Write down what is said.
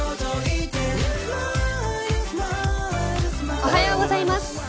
おはようございます。